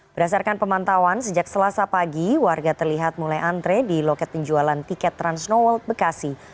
berdasarkan pemantauan sejak selasa pagi warga terlihat mulai antre di loket penjualan tiket transnoworld bekasi